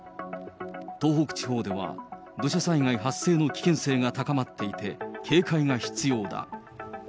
東北地方では、土砂災害発生の危険性が高まっていて、警戒が必要だ。